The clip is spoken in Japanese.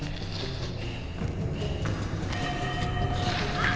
あっ！